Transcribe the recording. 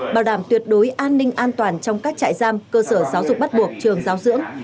bảo đảm tuyệt đối an ninh an toàn trong các trại giam cơ sở giáo dục bắt buộc trường giáo dưỡng